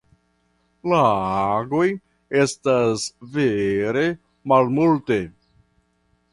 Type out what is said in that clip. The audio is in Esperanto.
Lagoj estas vere malmulte.